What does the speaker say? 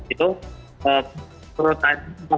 itu turut air suam